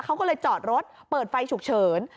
เขาก็เลยจอดรถเปิดไฟฉุกเฉิน